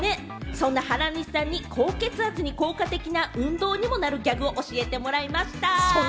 そんな原西さんに高血圧に効果的な、運動にもなるギャグを教えてもらいました。